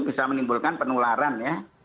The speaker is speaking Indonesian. bisa menimbulkan penularan ya